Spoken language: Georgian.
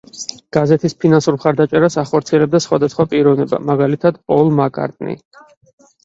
გაზეთის ფინანსურ მხარდაჭერას ახორციელებდა სხვადასხვა პიროვნება, მაგალითად, პოლ მაკ-კარტნი.